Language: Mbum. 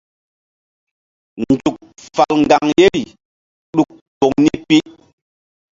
Nzuk fal ŋgaŋ yeri ɗuk poŋ ni pi.